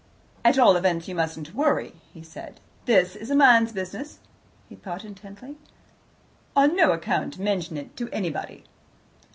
"At all events, you mustn't worry," he said. "This is a man's business." He thought intently. "On no account mention it to anybody."